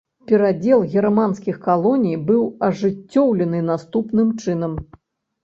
Перадзел германскіх калоній быў ажыццёўлены наступным чынам.